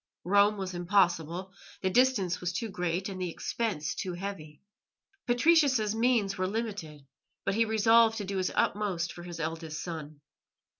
Rome was impossible; the distance was too great and the expense too heavy. Patricius's means were limited, but he resolved to do his utmost for his eldest son.